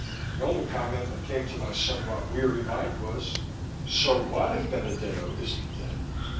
The only comment that came to my somewhat weary mind was, "So what if Benedetto isn't dead?"